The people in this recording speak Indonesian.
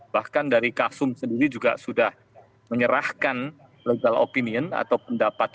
bahkan dari kasum sendiri juga sudah menyerahkan legal opinion atau pendapat